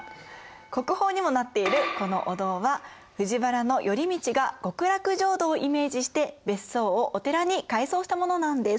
国宝にもなっているこのお堂は藤原頼通が極楽浄土をイメージして別荘をお寺に改装したものなんです。